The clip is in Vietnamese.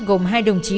gồm hai đồng chí